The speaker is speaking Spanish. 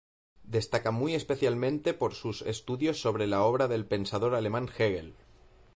Destaca muy especialmente por sus estudios sobre la obra del pensador alemán Hegel.